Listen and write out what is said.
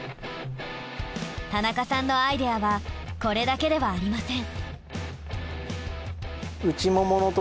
田中さんのアイデアはこれだけではありません。